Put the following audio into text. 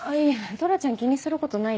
トラちゃん気にする事ないよ。